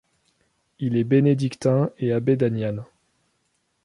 Il est bénédictin et abbé d'Aniane.